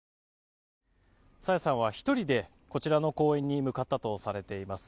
朝芽さんは、１人でこちらの公園に向かったとされています。